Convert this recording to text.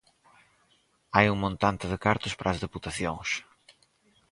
Hai un montante de cartos para as deputacións?